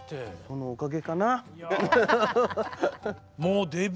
そのおかげかな？